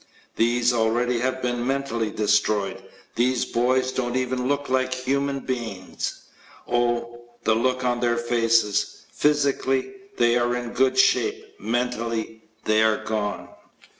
These already have been mentally destroyed. These boys don't even look like human beings. Oh, the looks on their faces! Physically, they are in good shape; mentally, they are gone.